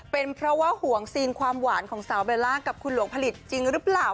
เป็นเพราะว่าห่วงซีนความหวานของสาวเบลล่ากับคุณหลวงผลิตจริงหรือเปล่า